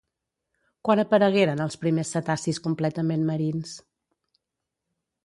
Quan aparegueren els primers cetacis completament marins?